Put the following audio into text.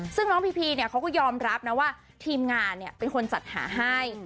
ซึ่งน้องพีพีเนี่ยเขาก็ยอมรับนะว่าทีมงานเป็นคนจัดหาให้